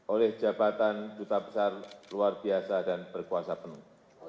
oleh jabatan duta besar luar biasa dan berkuasa penuh